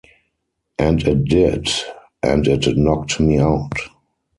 And it did, and it knocked me out.